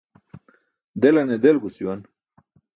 Delaṅe delgus juwan.